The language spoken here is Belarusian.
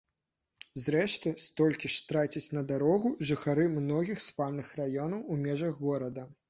Зрэшты, столькі ж трацяць на дарогу жыхары многіх спальных раёнаў у межах горада.